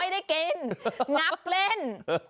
ได้กินงับเล่น